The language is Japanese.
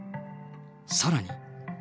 さらに。